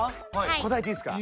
答えていいすか？